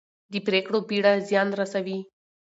د پرېکړو بېړه زیان رسوي